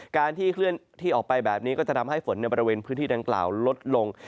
การที่เคลื่อนที่ออกไปแบบนี้ก็จะทำให้ฝนในบริเวณพื้นที่ดังกล่าวลดลง